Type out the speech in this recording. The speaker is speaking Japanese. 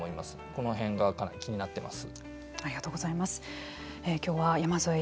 この辺がかなり気になっています。